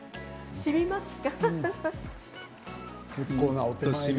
しみますか？